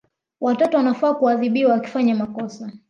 Watoto wanafaa kuadhibiwa wakifanya makosa